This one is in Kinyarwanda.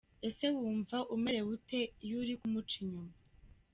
Ese wumva umerewe ute iyo uri kumuca inyuma ?.